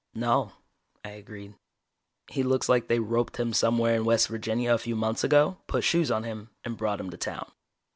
"No," I agreed. "He looks like they roped him somewhere in West Virginia a few months ago, put shoes on him, and brought him to town."